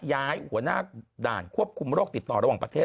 ย้ายหัวหน้าด่านควบคุมโรคติดต่อระหว่างประเทศ